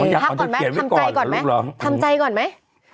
ยังเอาเดินเกรียดไม่ก่อนทำใจก่อนมั้ย